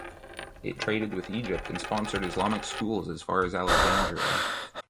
It traded with Egypt and sponsored Islamic schools as far as Alexandria.